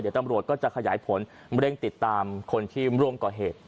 เดี๋ยวตำรวจก็จะขยายผลเร่งติดตามคนที่ร่วมก่อเหตุ